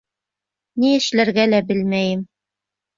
Ни эшләргә лә белмәйем.